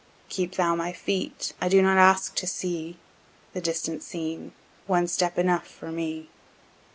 Keep thou my feet; I do not ask to see The distant scene; one step enough for me.